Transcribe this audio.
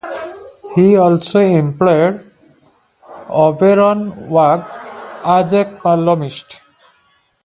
He also employed Auberon Waugh as a columnist.